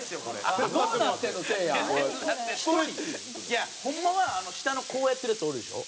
いやホンマは下のこうやってるヤツおるでしょ？